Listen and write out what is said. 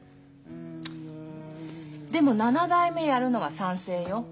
でも７代目やるのは賛成よ。